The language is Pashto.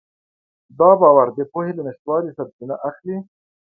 دا باور د پوهې له نشتوالي سرچینه اخلي.